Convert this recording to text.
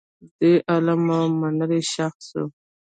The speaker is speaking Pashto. دی عالم او منلی شخص و.